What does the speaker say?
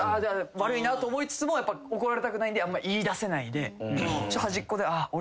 悪いなと思いつつも怒られたくないんで言い出せないではじっこで。